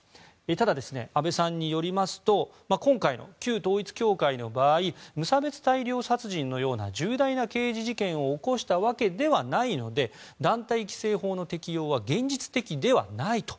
ただ、阿部さんによりますと今回の旧統一教会の場合無差別大量殺人のような重大な刑事事件を起こしたわけではないので団体規制法の適用は現実的ではないと。